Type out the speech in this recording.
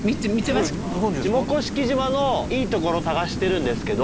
下甑島のいいところ探してるんですけど。